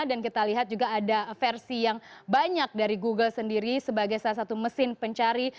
dan kita lihat juga ada versi yang banyak dari google sendiri sebagai salah satu mesin pencari